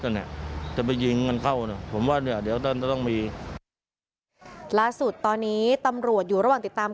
ลักษณ์สุดตอนนี้ตำรวจอยู่ระหว่างติดตาม